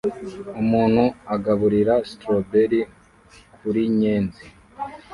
Umuntu agaburira strawberry kurinyenzi